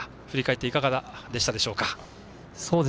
振り返っていかがでしたでしょうか？